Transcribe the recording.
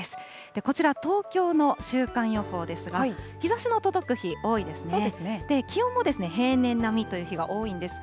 こちら東京の週間予報ですが、日ざしの届く日、多いですね。